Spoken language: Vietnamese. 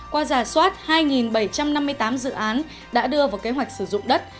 qua giả soát hai bảy trăm năm mươi tám dự án đã đưa vào kế hoạch sử dụng đất